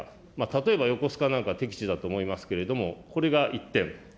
例えば横須賀なんか適地だと思いますけれども、これが１点。